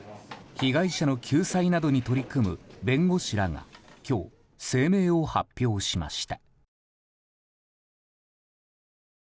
被害者の救済などに取り組む弁護士らが今日、声明を発表しました。